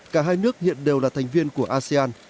cả hai nước hiện đều là thành viên của asean